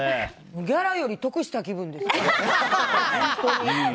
ギャラより得した気分です。